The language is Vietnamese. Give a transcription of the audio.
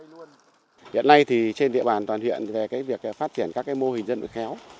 hiện nay thì trên địa bàn toàn hiện về cái việc phát triển các cái mô hình dân vận khéo